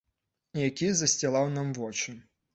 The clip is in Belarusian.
Які засцілаў нам вочы.